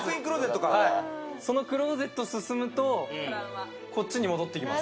そのクローゼット進むと、こっちに戻ってきます。